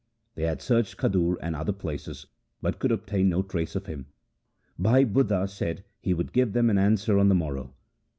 They had searched Khadur and other places, but could obtain no trace of him. Bhai Budha said he would give them an answer on the morrow.